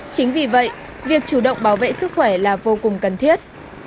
chính vì vậy việc chủ động bảo vệ sức khỏe là vô cùng cần thiết